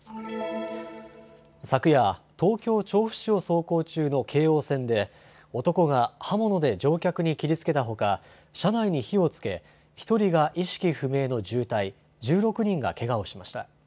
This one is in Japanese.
昨夜、東京調布市を走行中の京王線で男が刃物で乗客に切りつけたほか車内に火をつけ１人が意識不明の重体、１６人がけがをしました。